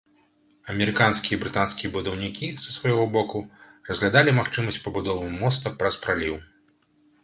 Амерыканскія і брытанскія будаўнікі, са свайго боку, разглядалі магчымасць пабудовы моста праз праліў.